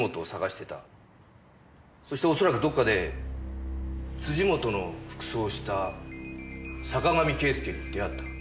そして恐らくどっかで本の服装をした坂上啓輔に出会った。